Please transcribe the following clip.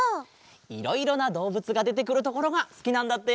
いろいろなどうぶつがでてくるところがすきなんだって。